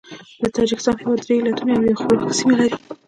د تاجکستان هیواد درې ایالتونه او یوه خپلواکه سیمه لري.